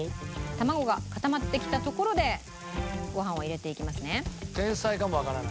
卵が固まってきたところでご飯を入れていきますね。